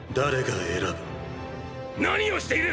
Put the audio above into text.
何をしている！